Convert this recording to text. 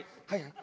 はい？